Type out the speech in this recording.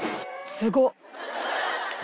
すごっ！